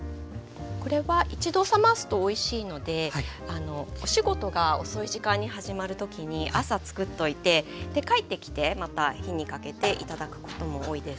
これは一度冷ますとおいしいのでお仕事が遅い時間に始まる時に朝つくっておいて帰ってきてまた火にかけて頂くことも多いです。